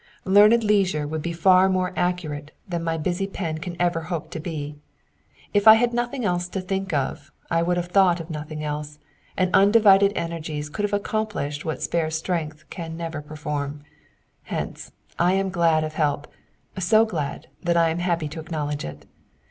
Learned leisure would be far more accurate than my busy pen can ever hope to be. If I had nothing else to think of, I would have thought of nothing else, and undivided energies could have accomplished what spare strength can never perform. Hence, I am glad of help ; so glad, that I am happy to acknowledge it.